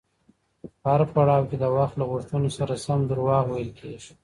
په هر پړاو کي د وخت له غوښتنو سره سم دروغ ویل کیږي.